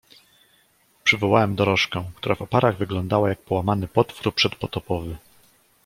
"Przywołałem dorożkę, która w oparach wyglądała jak połamany potwór przedpotopowy."